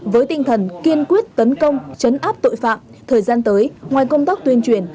với tinh thần kiên quyết tấn công chấn áp tội phạm thời gian tới ngoài công tác tuyên truyền